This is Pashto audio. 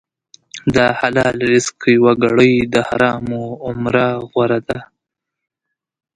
د حلال رزق یوه ګړۍ د حرامو عمره غوره ده.